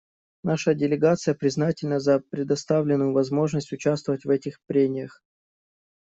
Наша делегация признательна за предоставленную возможность участвовать в этих прениях.